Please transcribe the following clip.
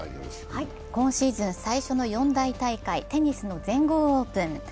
今シーズン最初の４大大会、テニスの全豪オープン。